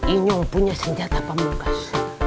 ini punya senjata pemungkas